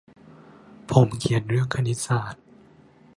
ผมเขียนเรื่องคณิตศาสตร์